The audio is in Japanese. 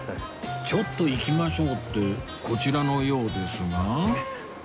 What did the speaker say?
「ちょっと行きましょう」ってこちらのようですが